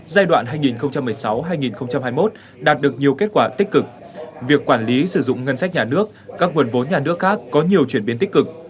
giai đoạn hai nghìn một mươi sáu hai nghìn hai mươi một đạt được nhiều kết quả tích cực việc quản lý sử dụng ngân sách nhà nước các nguồn vốn nhà nước khác có nhiều chuyển biến tích cực